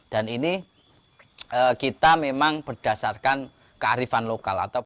dan ini kita memang berdasarkan kearifan lokal